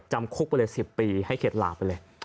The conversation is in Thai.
จำคุกไปเลย๑๐ปีให้เข็ดลาไปเลย